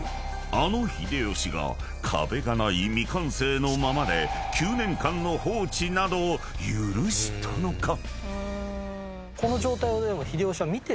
あの秀吉が壁がない未完成のままで９年間の放置など許したのか？］